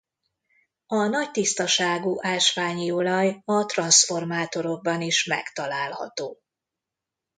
A nagy tisztaságú ásványi olaj a transzformátorokban is megtalálható.